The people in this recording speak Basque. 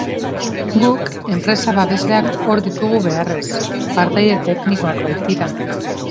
Guk, enpresa babesleak hor ditugu beharrez, partaide teknikoak baitira.